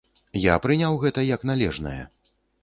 Я прыняў гэта як належнае.